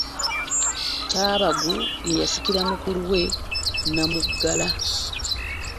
Kyabaggu ye yasikira mukulu we Namugala.